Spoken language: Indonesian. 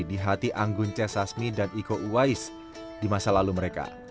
di hati anggun c sasmi dan iko uwais di masa lalu mereka